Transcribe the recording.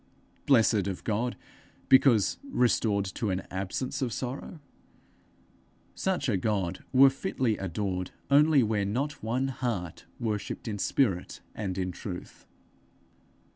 Blessed of God because restored to an absence of sorrow? Such a God were fitly adored only where not one heart worshipped in spirit and in truth.